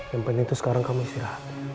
yang penting itu sekarang kami istirahat